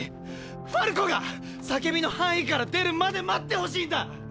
ファルコが「叫び」の範囲から出るまで待ってほしいんだ！！